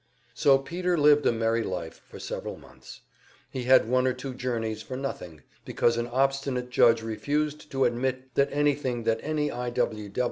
So Peter lived a merry life for several months. He had one or two journeys for nothing, because an obstinate judge refused to admit that anything that any I.